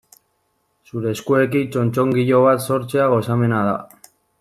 Zure eskuekin txotxongilo bat sortzea gozamena da.